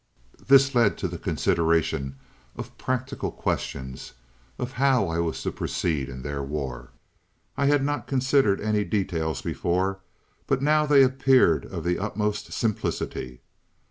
"This led to the consideration of practical questions of how I was to proceed in their war. I had not considered any details before, but now they appeared of the utmost simplicity.